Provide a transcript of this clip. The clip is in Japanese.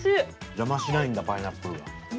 邪魔しないんだパイナップルが。